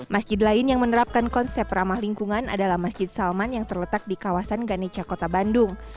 masjid lain yang menerapkan konsep ramah lingkungan adalah masjid salman yang terletak di kawasan ganeca kota bandung